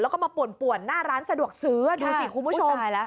แล้วก็มาป่วนหน้าร้านสะดวกซื้อดูสิคุณผู้ชม